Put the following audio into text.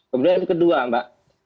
kemudian yang kedua mbak